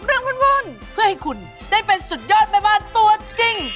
เพื่อให้ได้เป็นสุดยอดบาดบ้านตัวจริง